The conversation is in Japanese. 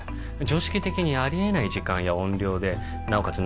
常識的にありえない時間や音量でなおかつ